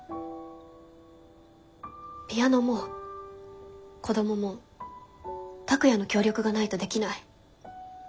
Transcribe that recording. ピアノも子どもも拓哉の協力がないとできない。